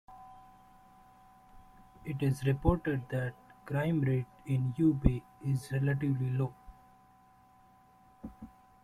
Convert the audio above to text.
It is reported that crime rate in Ubay is relatively low.